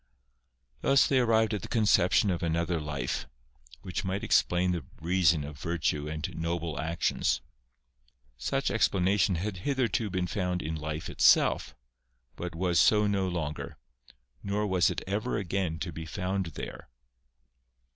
Thus they arrived at the conception of another life, which might explain the reason of virtue and noble actions. Such explanation had hitherto been found in life itself, but was so no longer, nor was it ever again to be found there.